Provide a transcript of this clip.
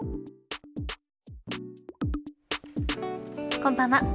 こんばんは。